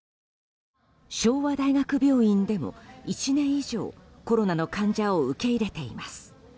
昭和大学病院でも１年以上、コロナの患者を受け入れています。